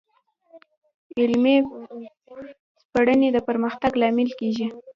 علمي سپړنې د پرمختګ لامل کېږي.